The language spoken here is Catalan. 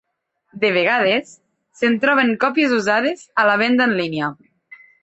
De vegades, se'n troben còpies usades a la venda en línia.